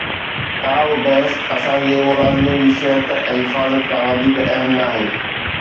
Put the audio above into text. ڪابه بحث اسان جي ملازمن جي صحت ۽ حفاظت کان وڌيڪ اهم ناهي